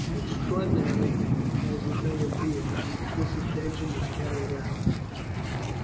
Extraordinary as it may appear, this intention was carried out.